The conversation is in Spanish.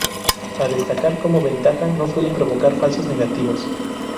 A destacar como ventaja no suelen provocar falsos negativos.